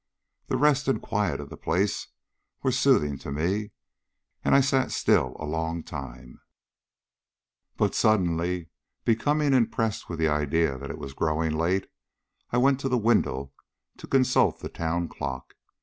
The rest and quiet of the place were soothing to me, and I sat still a long time, but suddenly becoming impressed with the idea that it was growing late, I went to the window to consult the town clock.